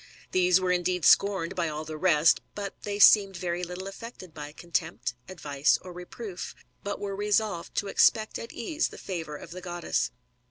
These were indeed scorned by all the rest; but they seemed very little affected by contempt, advice, or reproof, but were resolved to expect at ease the favour of the goddess.